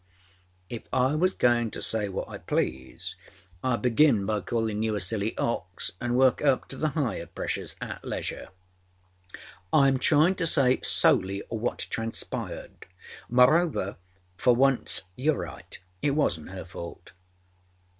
_â âIf I was going to say what I please, Iâd begin by callinâ you a silly ox anâ work up to the higher pressures at leisure. Iâm trying to say solely what transpired. Mârover, for once youâre right. It wasnât her fault.